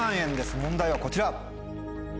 問題はこちら。